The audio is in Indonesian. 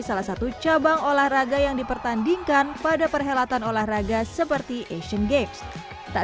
salah satu cabang olahraga yang dipertandingkan pada perhelatan olahraga seperti asian games tak